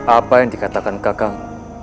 apa yang dikatakan kakang